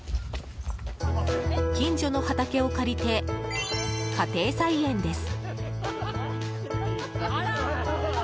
近所の畑を借りて家庭菜園です。